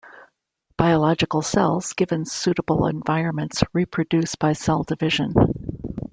Biological cells, given suitable environments, reproduce by cell division.